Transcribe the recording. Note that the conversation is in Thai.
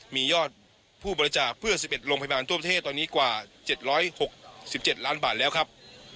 มียอดผู้บริจาคเพื่อ๑๑โรงพยาบาลทั่วประเทศตอนนี้กว่า๗๖๗ล้านบาทแล้วครับ